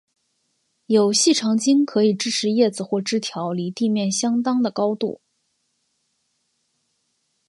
有细长茎可以支持叶子或枝条离地面相当的高度。